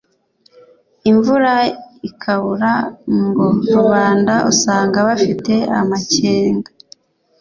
imvura ikabura, ngo rubanda usanga bafite amacyenga,